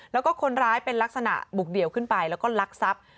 แล้วก็คนร้ายเป็นลักษณะบุกเดี่ยวขึ้นไปแล้วก็ลักทรัพย์